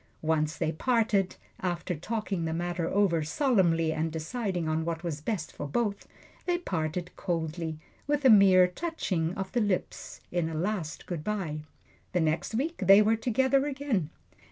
Once they parted, after talking the matter over solemnly and deciding on what was best for both they parted coldly with a mere touching of the lips in a last good by. The next week they were together again.